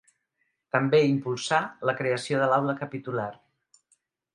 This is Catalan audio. També impulsà la creació de l’aula capitular.